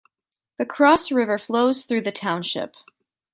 The Cross River flows through the township.